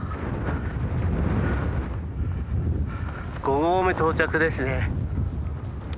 五合目到着ですね。